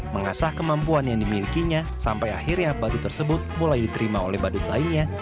mengasah kemampuan yang dimilikinya sampai akhirnya badut tersebut mulai diterima oleh badut lainnya